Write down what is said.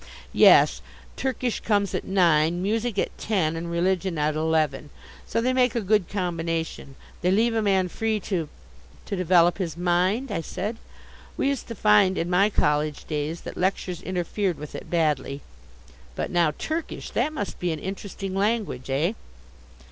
"Yes. Turkish comes at nine, music at ten and religion at eleven. So they make a good combination; they leave a man free to " "To develop his mind," I said. "We used to find in my college days that lectures interfered with it badly. But now, Turkish, that must be an interesting language, eh?"